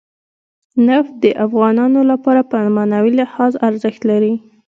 نفت د افغانانو لپاره په معنوي لحاظ ارزښت لري.